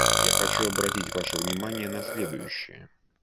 Я хочу обратить ваше внимание на следующее.